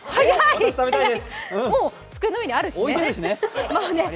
もう机の上にあるしね。